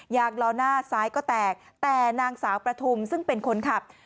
ล้อหน้าซ้ายก็แตกแต่นางสาวประทุมซึ่งเป็นคนขับ